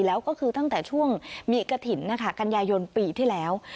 แล้วก็คือที่เมียกถิ่นกันยายนปีที่แล้ว